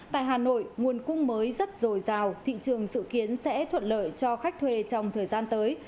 tại hà nội nguồn cung mới rất dồi dào thị trường dự kiến sẽ thuận lợi cho khách thuê trong thời gian tới